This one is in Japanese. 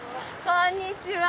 こんにちは。